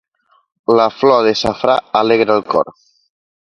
La flor de safrà alegra el cor.